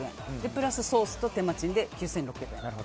プラス、ソースと手間賃で９６００円。